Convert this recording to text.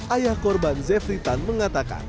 ayah korban zefri tan mengatakan